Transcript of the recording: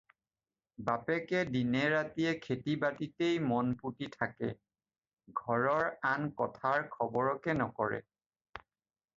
বাপেকে দিনে-ৰাতিয়ে খেতি-বাতিয়েই মনপুতি থাকে, ঘৰৰ আন কথাৰ খবৰকে নকৰে।